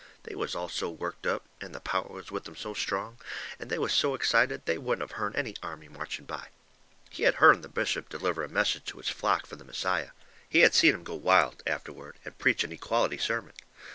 They was all so worked up, and the power was with 'em so strong, and they was so excited they wouldn't of hearn an army marching by. He had hearn the bishop deliver a message to his flock from the Messiah. He had seen him go wild, afterward, and preach an equality sermon.